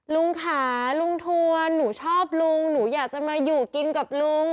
ลุงค่ะลุงทวนหนูชอบลุงหนูอยากจะมาอยู่กินกับลุง